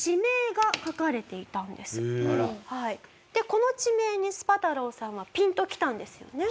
この地名にスパ太郎さんはピンときたんですよね。